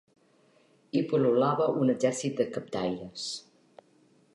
Hi pul·lulava un exèrcit de captaires.